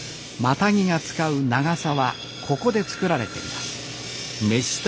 マタギが使うナガサはここで造られています